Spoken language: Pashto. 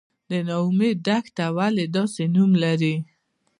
د نا امید دښته ولې داسې نوم لري؟